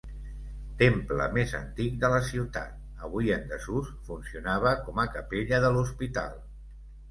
Temple més antic de la ciutat, avui en desús, funcionava com a capella de l'hospital.